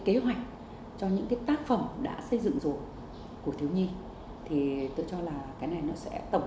kế hoạch cho những cái tác phẩm đã xây dựng rồi của thiếu nhi thì tôi cho là cái này nó sẽ tổng